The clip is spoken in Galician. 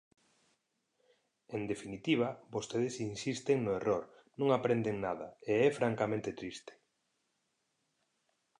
En definitiva, vostedes insisten no error, non aprenden nada, e é francamente triste.